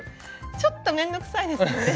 ちょっとめんどくさいですよね。